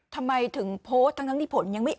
ทำไมถึงโพสต์ทั้งที่ผลยังไม่